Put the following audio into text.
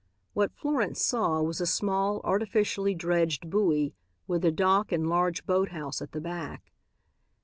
What Florence saw was a small, artificially dredged buoy with a dock and large boathouse at the back.